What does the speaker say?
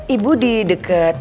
ibu di deket